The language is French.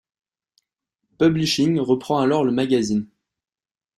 Publishing reprend alors le magazine.